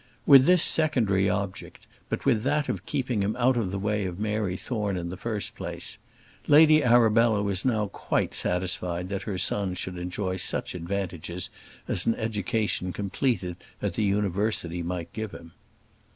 With this secondary object, but with that of keeping him out of the way of Mary Thorne in the first place, Lady Arabella was now quite satisfied that her son should enjoy such advantages as an education completed at the university might give him.